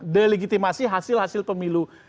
delegitimasi hasil hasil pemilu